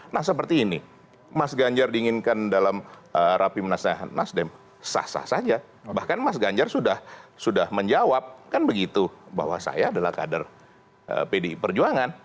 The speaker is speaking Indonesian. nah seperti ini mas ganjar diinginkan dalam rapimnas nasdem sah sah saja bahkan mas ganjar sudah menjawab kan begitu bahwa saya adalah kader pdi perjuangan